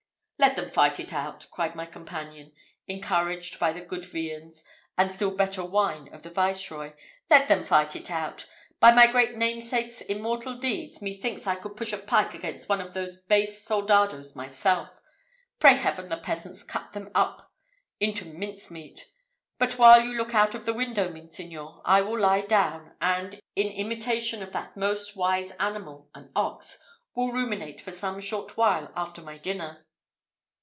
"Let them fight it out," cried my companion, encouraged by the good viands, and still better wine of the Viceroy "Let them fight it out! By my great namesake's immortal deeds, methinks I could push a pike against one of those base soldados myself. Pray Heaven the peasants cut them up into mincemeat! But while you look out of the window, monseigneur, I will lie down, and, in imitation of that most wise animal, an ox, will ruminate for some short while after my dinner."